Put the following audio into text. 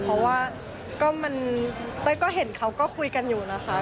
เพราะว่ามันเต้ยก็เห็นเขาก็คุยกันอยู่นะคะ